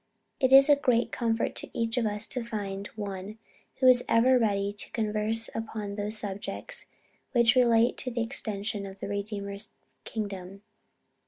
It is a great comfort to each of us to find one who is ever ready to converse upon those subjects which relate to the extension of the Redeemer's kingdom.